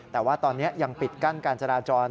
แต่ว่าตอนนี้ยังปิดกั้นการจราจร